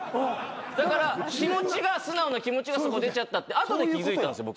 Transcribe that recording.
だから素直な気持ちが出ちゃったって後で気付いたんですよ